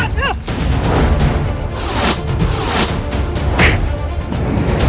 terima kasih dewa tayang aku